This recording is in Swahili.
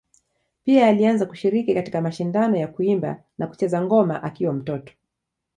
Pia alianza kushiriki katika mashindano ya kuimba na kucheza ngoma akiwa mtoto.